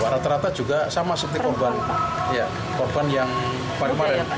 rata rata juga sama seperti korban yang baru kemarin